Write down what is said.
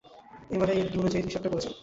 MRI এর reading অনুযায়ীই তো হিসেব করেছেন?